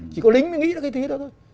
chỉ có lính mới nghĩ ra cái thứ đó thôi